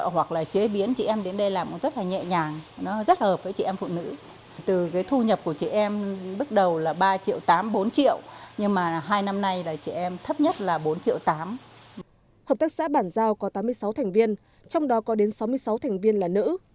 hợp tác xã bản giao có tám mươi sáu thành viên trong đó có đến sáu mươi sáu thành viên là nữ